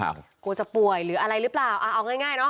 กลัวจะป่วยหรืออะไรหรือเปล่าเอาง่ายเนาะ